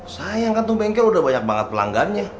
sayang kan tuh bengkel udah banyak banget pelanggannya